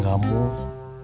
nggak ada keahlian kamu